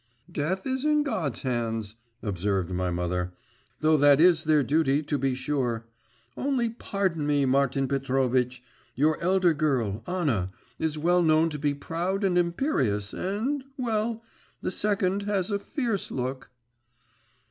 'Death is in God's hands,' observed my mother; 'though that is their duty, to be sure. Only pardon me, Martin Petrovitch; your elder girl, Anna, is well known to be proud and imperious, and well the second has a fierce look.